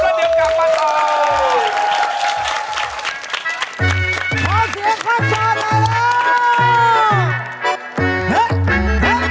แล้วเดี๋ยวกลับมาต่อ